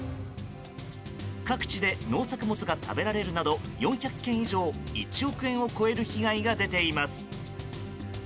各地で農作物が食べられるなど４００件以上１億円を超える被害が出ています。